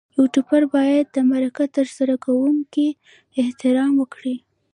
یوټوبر باید د مرکه ترسره کوونکي احترام وکړي.